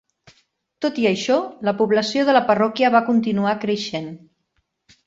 Tot i això, la població de la parròquia va continuar creixent.